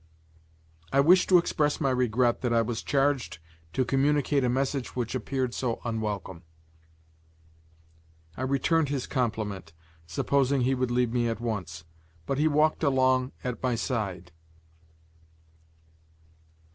I wish to express my regret that I was charged to communicate a message which appeared so unwelcome." I returned his compliment, supposing he would leave me at once; but he walked along at my side.